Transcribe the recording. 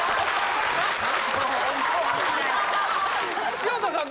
潮田さん